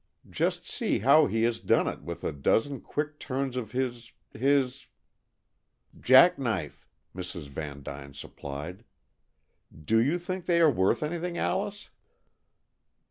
Just see how he has done it all with a dozen quick turns of his his " "Jack knife," Mrs. Vandyne supplied. "Do you think they are worth anything, Alice?"